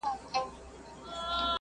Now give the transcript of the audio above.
زه به سبا زده کړه وکړم!!